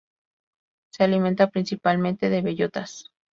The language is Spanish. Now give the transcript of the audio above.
Se alimenta principalmente de bellotas.